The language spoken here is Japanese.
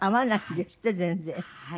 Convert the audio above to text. はい。